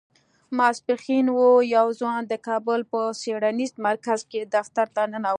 ماسپښين و يو ځوان د کابل په څېړنيز مرکز کې دفتر ته ننوت.